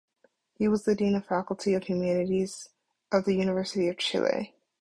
He was dean of the Faculty of Humanities of the University of Chile.